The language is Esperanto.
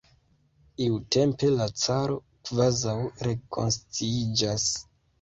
Iutempe la caro kvazaŭ rekonsciiĝas.